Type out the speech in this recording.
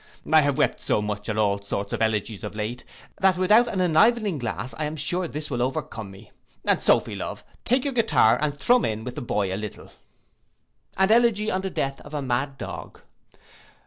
I have wept so much at all sorts of elegies of late, that without an enlivening glass I am sure this will overcome me; and Sophy, love, take your guitar, and thrum in with the boy a little.' An Elegy on the Death of a Mad Dog.